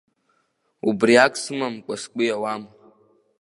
Убриак сымамкәа сгәы иауам.